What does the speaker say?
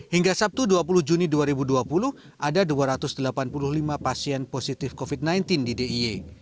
hingga sabtu dua puluh juni dua ribu dua puluh ada dua ratus delapan puluh lima pasien positif covid sembilan belas di d i e